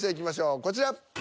こちら。